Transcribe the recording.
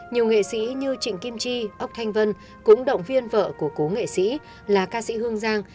nhiều nghệ sĩ như trịnh kim chi ốc thanh vân cũng động viên vợ của cố nghệ sĩ là ca sĩ hương giang